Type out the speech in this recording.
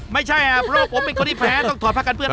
ไม่ใช่อะเพราะผมเป็นคนที่แพ้ต้องถอดภาคกันเพื่อนอะ